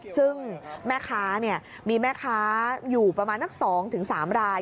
ซึ่งแม่ค้ามีแม่ค้าอยู่ประมาณนัก๒๓ราย